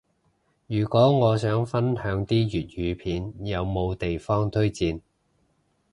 如果我想分享啲粵語片，有冇地方推薦？